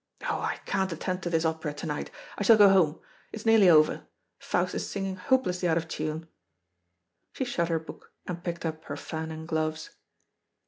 Oh, I can't attend to this opera to night. I shall go home. It's nearly over. Faust is singing hopelessly out of tune." She shut her book, and picked up her fan and gloves.